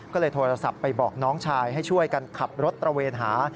ก็เลยโทรศัพท์ไปบอกน้องชายให้ช่วยกันขับรถตระเวนหา